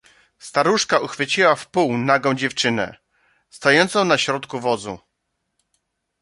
"Staruszka uchwyciła w pół nagą dziewczynę, stojącą na środku wozu."